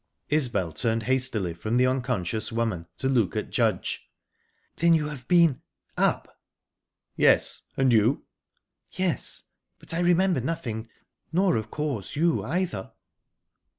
Isbel turned hastily from the unconscious woman to look at Judge. "Then you have been up?" "Yes. And you?" "Yes; but I remember nothing nor, of course, you, either?"